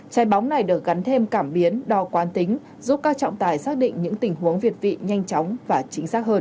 chai bóng này được gắn thêm cảm biến đo quan tính giúp các trọng tài xác định những tình huống việt vị nhanh chóng và chính xác hơn